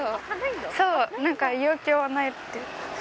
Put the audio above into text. そうなんか養教はないって。